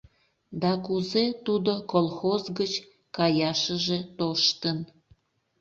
— Да кузе тудо колхоз гыч каяшыже тоштын!